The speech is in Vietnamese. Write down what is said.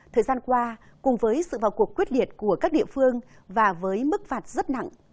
thời gian qua cùng với sự vào cuộc quyết liệt của các địa phương và với mức phạt rất nặng